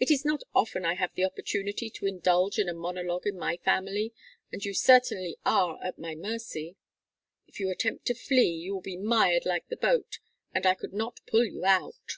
It is not often I have had the opportunity to indulge in a monologue in my family, and you certainly are at my mercy. If you attempt to flee you will be mired like the boat, and I could not pull you out."